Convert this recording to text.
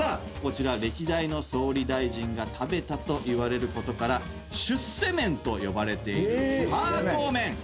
こちら歴代の総理大臣が食べたといわれることから出世麺と呼ばれている排骨拉麺。